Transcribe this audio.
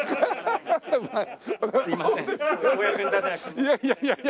いやいやいやいや。